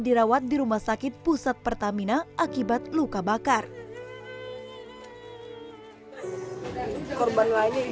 dirawat dalam keadaan yang sama dan menangkapnya dengan keadaan yang sama dan menangkapnya dengan